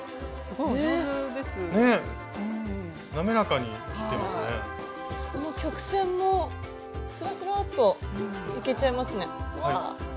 この曲線もスラスラッといけちゃいますね。